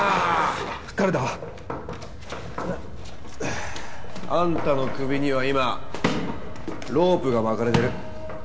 誰だ？あんたの首には今ロープが巻かれてる。